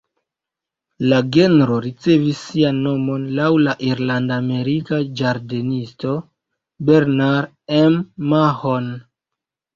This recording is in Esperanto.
La genro ricevis sian nomon laŭ la irlanda-amerika ĝardenisto Bernard M’Mahon.